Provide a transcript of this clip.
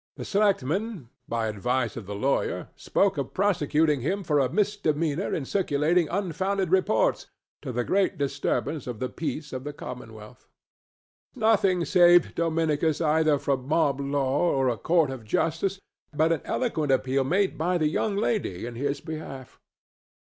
The selectmen, by advice of the lawyer, spoke of prosecuting him for a misdemeanor in circulating unfounded reports, to the great disturbance of the peace of the commonwealth. Nothing saved Dominicus either from mob law or a court of justice but an eloquent appeal made by the young lady in his behalf.